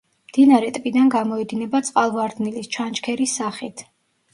მდინარე ტბიდან გამოედინება წყალვარდნილის, ჩანჩქერის სახით.